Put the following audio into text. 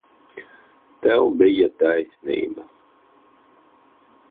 Tev bija taisnība.